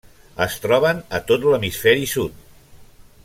Es troben a tot l'hemisferi Sud.